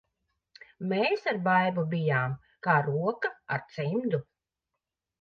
Mēs ar Baibu bijām kā roka ar cimdu.